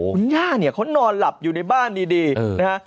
คุณย่าเนี่ยเขานอนหลับอยู่ในบ้านดีนะฮะ